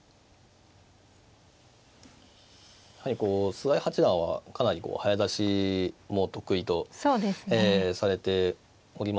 やはりこう菅井八段はかなり早指しも得意とされておりますので。